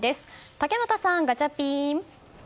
竹俣さん、ガチャピン。